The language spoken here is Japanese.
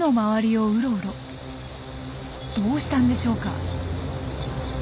どうしたんでしょうか？